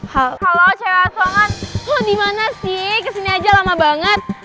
halo cewek banget loh dimana sih kesini aja lama banget